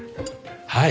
はい。